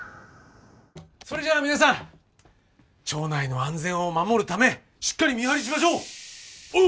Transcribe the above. それじゃあ皆さん町内の安全を守るためしっかり見張りしましょう！